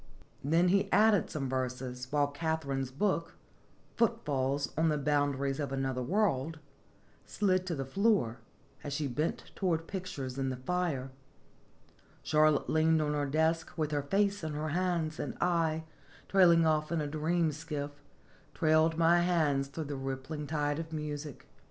Then he added some verses, while Katharine's book " Footfalls on the Boundaries of Another World" slid to the floor, as she bent toward pictures in the fire ; Charlotte leaned on her desk, with her face in her hands ; and I, drift ing off in a dream skiff, trailed my hands through a rippling tide of music.